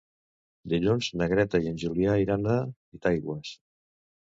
Dilluns na Greta i en Julià iran a Titaigües.